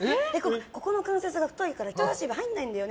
ここの関節が太いから人さし指入らないんだよね。